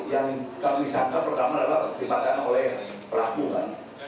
yang kami sangka pertama adalah penerimakan oleh pelaku kan